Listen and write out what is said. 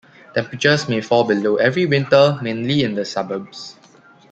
Temperatures may fall below every winter, mainly in the suburbs.